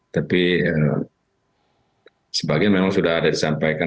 tapi sebagian memang sudah ada disampaikan